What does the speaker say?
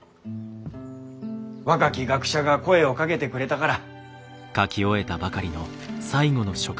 若き学者が声をかけてくれたから。